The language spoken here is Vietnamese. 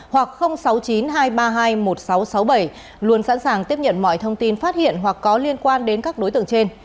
hoặc sáu mươi chín hai trăm ba mươi hai một nghìn sáu trăm sáu mươi bảy luôn sẵn sàng tiếp nhận mọi thông tin phát hiện hoặc có liên quan đến các đối tượng trên